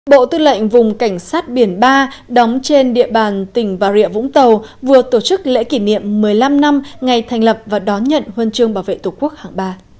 bộ tư lệnh vùng cảnh sát biển ba đóng trên địa bàn tỉnh bà rịa vũng tàu vừa tổ chức lễ kỷ niệm một mươi năm năm ngày thành lập và đón nhận huân chương bảo vệ tổ quốc hạng ba